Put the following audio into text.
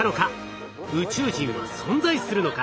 宇宙人は存在するのか？